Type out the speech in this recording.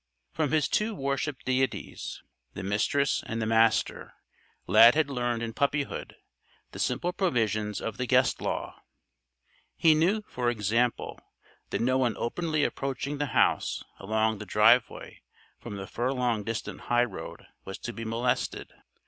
From his two worshipped deities the Mistress and the Master Lad had learned in puppyhood the simple provisions of the Guest Law. He knew, for example, that no one openly approaching the house along the driveway from the furlong distant highroad was to be molested.